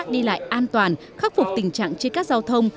đi lại an toàn khắc phục tình trạng trên các giao thông